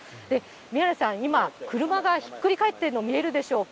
宮根さん、今、車がひっくり返っているの、見えるでしょうか。